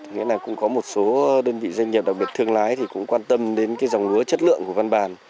nghĩa là cũng có một số đơn vị doanh nghiệp đặc biệt thương lái thì cũng quan tâm đến cái dòng lúa chất lượng của văn bản